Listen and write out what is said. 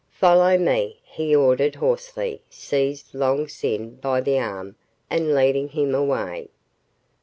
"Follow me," he ordered hoarsely seizing Long Sin by the arm and leading him away.